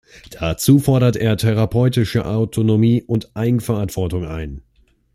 Dazu fordert er therapeutische Autonomie und Eigenverantwortung ein.